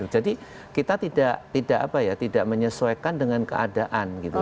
jadi kita tidak menyesuaikan dengan keadaan gitu